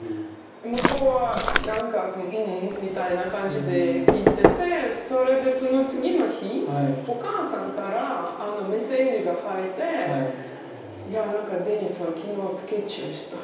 向こうはなんか「うん」みたいな感じで聞いててそれでその次の日お母さんからメッセージが入っていやなんかデニスは昨日スケッチをした。